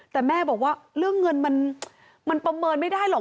แต่แม่บอกว่าเรื่องเงินมันประเมินไม่ได้หรอก